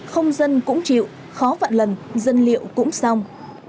không dân cũng chịu khó vạn lần dân liệu cũng xong